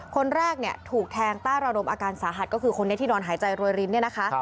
คนแรกถูกแทงต้าระลมอาการสาหัสก็คือคนนี้ที่นอนหายใจรวยลิ้น